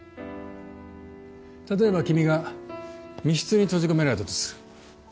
例えば君が密室に閉じ込められたとする。